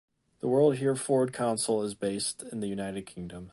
The World Hereford Council is based in the United Kingdom.